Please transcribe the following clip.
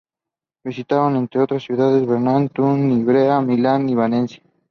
Visitaron, entre otras ciudades, Berna, Thun, Ginebra, Milán y Venecia.